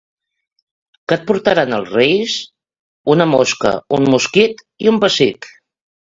Què et portaran els Reis? —Una mosca, un mosquit i un pessic.